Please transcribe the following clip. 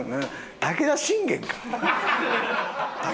武田信玄か？